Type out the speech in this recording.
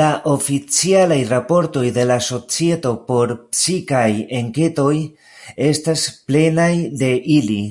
La oficialaj raportoj de la Societo por Psikaj Enketoj estas plenaj de ili.